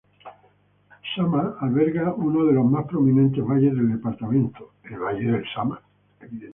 Sama alberga uno de los más prominentes valles del departamento, el valle del Sama.